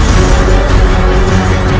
kita akan melanda